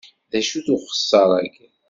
D acu-t uxeṣṣar-agi?